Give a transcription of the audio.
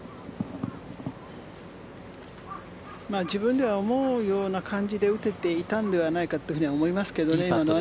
自分では思うような感じで打てていたんではないかと思いますけどね。